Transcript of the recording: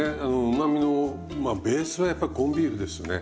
うまみのベースはやっぱりコンビーフですね。